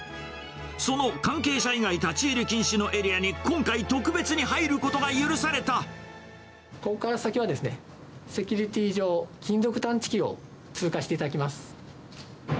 その関係者以外立ち入り禁止のエリアに今回、ここから先はですね、セキュリティー上、金属探知機を通過していただきます。